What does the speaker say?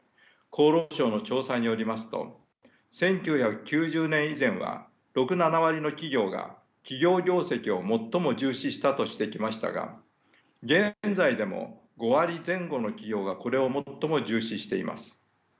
厚労省の調査によりますと１９９０年以前は６７割の企業が企業業績を最も重視したとしてきましたが現在でも５割前後の企業がこれを最も重視しています。